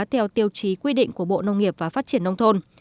theo tiêu chí quy định của bộ nông nghiệp và phát triển nông thôn